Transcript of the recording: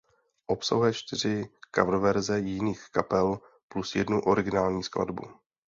Obsahuje čtyři coververze jiných kapel plus jednu originální skladbu.